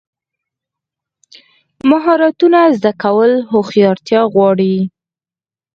مهارتونه زده کول هوښیارتیا غواړي.